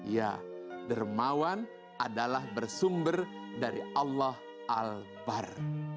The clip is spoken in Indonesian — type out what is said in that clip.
ya dermawan adalah bersumber dari allah al bar